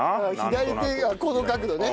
左手がこの角度ね。